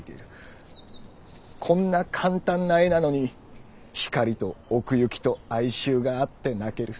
こんな簡単な絵なのに光と奥行きと哀愁があって泣ける。